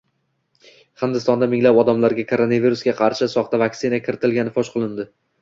Hindistonda minglab odamlarga koronavirusga qarshi soxta vaksina kiritilgani fosh qilindi